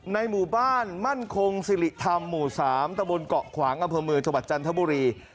ในหมู่บ้านมั่นคงสิริธรรมหมู่๓ตะบลเกาะขวางอพมือจันทบุรี